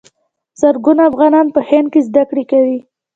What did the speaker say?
زرګونه افغانان په هند کې زده کړې کوي.